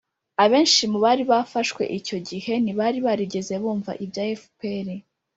abenshi mu bari bafashwe icyo gihe ntibari barigeze bumva ibya fpr.